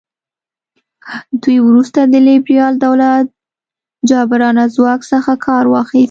دوی وروسته د لیبرال دولت جابرانه ځواک څخه کار واخیست.